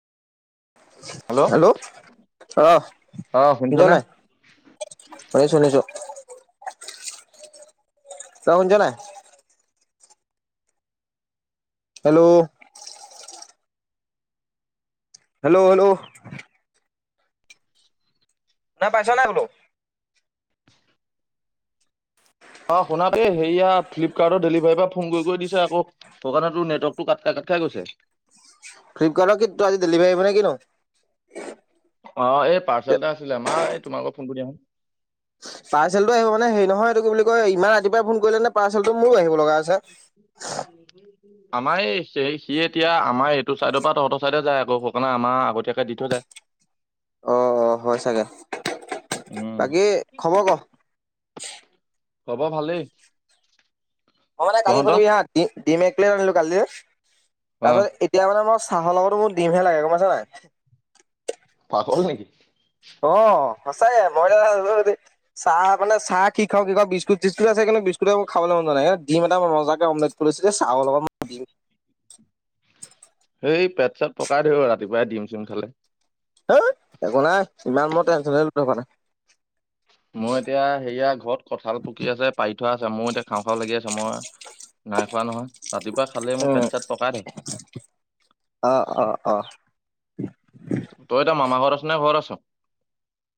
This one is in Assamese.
হেল্ল অ অ শুনিছ শুনিছনে? নাই? শুনিছো শুনিছো। তই শুনিছ নাই? হেল্ল। Hello hello. শুনা পাইছ নে বোলো? অ শুনা পাই এই হেৰিয়া ফ্লিপকাৰ্টৰ ডেলিভাৰী পা ফোন কৰি কৰি দিছে আক সেইকাৰণে তোৰ নেৱৰ্কটো কাত খাই কাত খাই গৈছে। ফ্লিপকাৰ্টৰ কি তোৰ আজি ডেলিভাৰি আহিব নে কিনো? অ এই পাৰ্চেল এটা আছিলে। এই মা তোমাৰ ভাগৰ ফোনটো দিয়াসোণ। পাৰ্চেলটো আহিব মানে হেৰি নহয় এইটো বুলি কয় ইমান ৰাতিপুৱাই ফোন কৰিলে নে পাৰ্চেলটো মোৰো আহিব লগাই আছে। আমাৰ এই সি এতিয়া আমাৰ এইটো চাইডৰ পৰা তহঁতৰ চাইডে যায় আকৌ সেইকাৰণে আমাৰ আগতীয়াকে দি থৈ যায়। অ অ হয় চাগে। উম বাকী খবৰ ক? খবৰ ভালেই। মোৰ মানে কালি তহঁতৰ শুনিবি হা ডিম ডিম একপ্লেট আনিলো কালি অ তাৰপিছত এতিয়া মানে মই চাহৰ লগতো মোক ডিমহে লাগে গম পাইছ নাই। পাগল নিকি? অ সঁচাকে মই এতিয়া চাহ মানে চাহ কি খাওঁ কি খাওঁ বিস্কুট-চিস্কুট আছে কিন্তু বিস্কুটে মোৰ খাবলে মন যোৱা নাই এইয়া দিম এটা মই মজাকে অমলেট কৰি লৈছো দেই চাহৰ লগত মই দিম [unintelligible] এই পেট-চেত পকাই ধৰিব ৰাতিপুৱাই দিম-চিম খালে। হেই একো নাই ইমান মই টেনচনেই লৈ থকা নাই। মই এতিয়া আনি থোৱা আছে মইয়ো এতিয়া খাওঁ খাওঁ লাগি আছে মই নাই খোৱা নহয়। ৰাতিপুৱা খালে মোৰ পেট উম। চেত পকাই থাকে। অ', অ', [inaudible] তই এটা মামা ঘৰত আছ নে ঘৰত আছ?